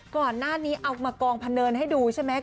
ก่อนหน้านี้เอามากองพะเนินให้ดูใช่ไหม